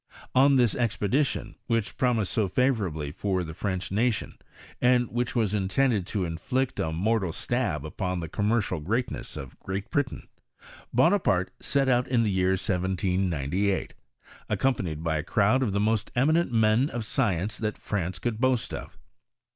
Od this expedition, which promised so favourably for the French nation, and which was intended to inflict a mortal stab upon the comnierclai greatness of Great Britain, Bona parte set out in the jear [79S, accompanied by a crowd of the most eminent men of science that France could boast of.